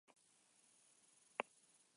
Bapo erabili zuen bere talentua.